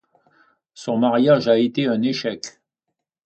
Son mariage a été un échec.